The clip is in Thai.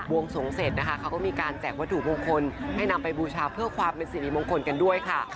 วงสงเสร็จนะคะเขาก็มีการแจกวัตถุมงคลให้นำไปบูชาเพื่อความเป็นสิริมงคลกันด้วยค่ะ